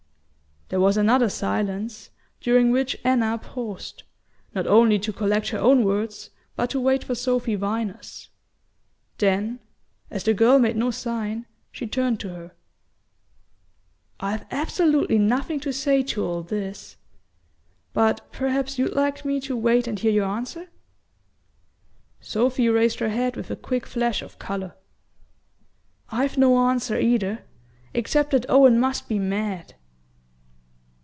There was another silence, during which Anna paused, not only to collect her own words but to wait for Sophy Viner's; then, as the girl made no sign, she turned to her. "I've absolutely nothing to say to all this; but perhaps you'd like me to wait and hear your answer?" Sophy raised her head with a quick flash of colour. "I've no answer either except that Owen must be mad."